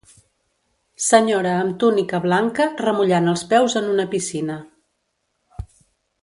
Senyora amb túnica blanca remullant els peus en una piscina.